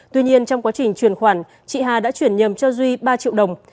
tuy nhiên trong quá trình chuyển khoản chị hà đã chuyển nhầm cho duy ba triệu đồng